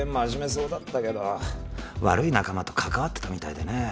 そうだったけど悪い仲間と関わってたみたいでね